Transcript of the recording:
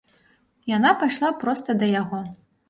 Яна пайшла проста да яго.